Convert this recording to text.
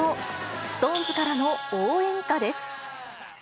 ＳｉｘＴＯＮＥＳからの応援歌です。